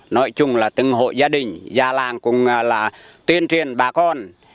nói chung là từng hội gia đình gia làng cũng là tuyên truyền bà con